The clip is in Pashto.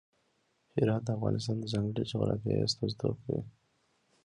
هرات د افغانستان د ځانګړي جغرافیه استازیتوب کوي.